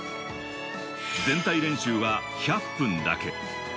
全体練習は１００分だけ。